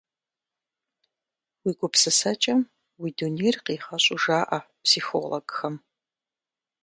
Уи гупсысэкӏэм уи дунейр къигъэщӏу жаӏэ психологхэм.